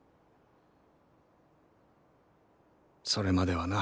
それまではな。